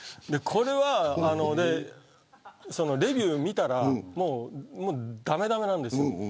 これはレビューを見たらだめだめなんです。